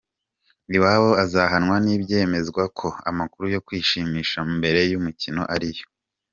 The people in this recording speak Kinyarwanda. Iwobi azahanwa nibyemezwa ko amakuru yo kwishimisha mbere y'umukino ari yo.